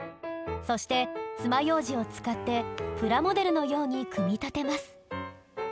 そしてつまようじをつかってプラモデルのようにくみたてます。